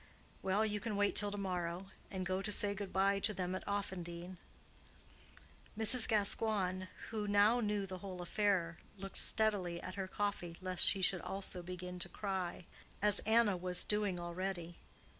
"Well, you can wait till to morrow, and go to say good bye to them at Offendene." Mrs. Gascoigne, who now knew the whole affair, looked steadily at her coffee lest she also should begin to cry, as Anna was doing already.